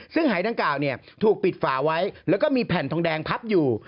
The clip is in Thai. ซึ่งหายดังกล่าวถูกปิดฝาไว้แล้วก็มีแผ่นทองแดงพับอยู่